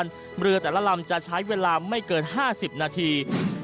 ๕๐นาที